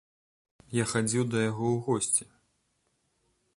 Я хадзіў да яго ў госці.